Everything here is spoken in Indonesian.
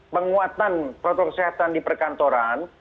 penguatan protokol kesehatan di perkantoran